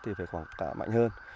thì phải quảng bá mạnh hơn